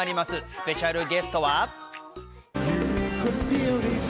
スペシャルゲストは？